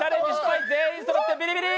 全員そろってビリビリ。